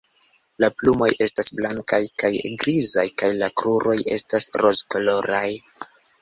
La plumoj estas blankaj kaj grizaj kaj la kruroj estas rozkoloraj.